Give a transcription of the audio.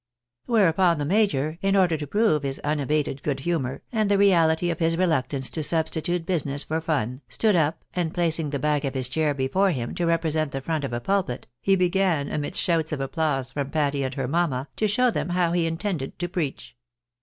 Whereupon the major, in order to prove his unabated good humour, and the reality of his reluctance to substitute business for fun, stood up, and placing the back of his chair before him to represent the front of a pulpit, he began, amidst shouts of applause from Patty and her mamma, to show them how he intended to preach.